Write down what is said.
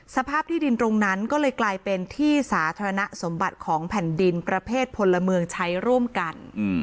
สภาพที่ดินตรงนั้นก็เลยกลายเป็นที่สาธารณสมบัติของแผ่นดินประเภทพลเมืองใช้ร่วมกัน